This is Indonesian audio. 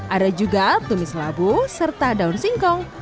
ada juga tumis labu serta daun singkong